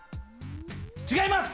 違います。